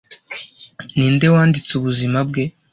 Ninde wanditse ubuzima bwe